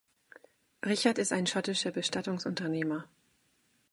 Richard ist ein schottischer Bestattungsunternehmer.